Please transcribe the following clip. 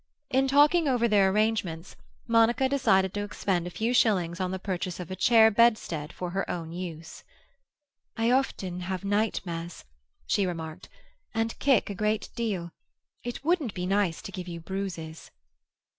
In talking over their arrangements, Monica decided to expend a few shillings on the purchase of a chair bedstead for her own use. "I often have nightmares," she remarked, "and kick a great deal. It wouldn't be nice to give you bruises."